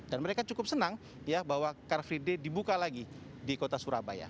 dan mereka cukup senang ya bahwa car free day dibuka lagi di kota surabaya